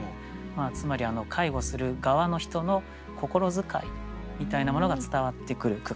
つまり介護する側の人の心遣いみたいなものが伝わってくる句かなと思いますね。